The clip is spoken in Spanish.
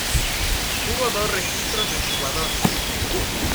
Hubo dos registros en Ecuador.